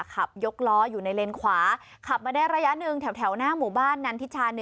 ขับยกล้ออยู่ในเลนขวาขับมาได้ระยะหนึ่งแถวหน้าหมู่บ้านนันทิชา๑